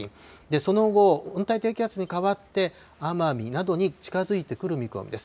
その後、温帯低気圧に変わって、奄美などに近づいてくる見込みです。